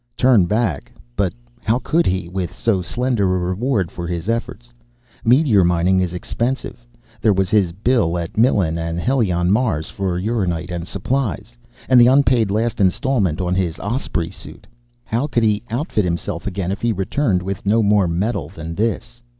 Turn back. But how could he, with so slender a reward for his efforts? Meteor mining is expensive. There was his bill at Millen and Helion, Mars, for uranite and supplies. And the unpaid last instalment on his Osprey suit. How could he outfit himself again, if he returned with no more metal than this?